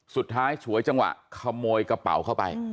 สุดท้ายฉวยจังหวะขโมยกระเป๋าเข้าไป